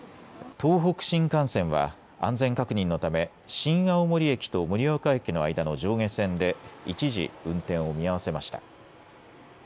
東北新幹線は安全確認のため新青森駅と盛岡駅の間の上下線で一時、運転を見合わせました。